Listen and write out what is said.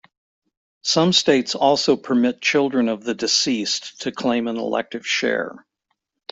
Some states also permit children of the deceased to claim an elective share.